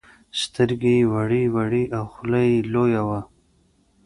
سترگې يې وړې وړې او خوله يې لويه وه.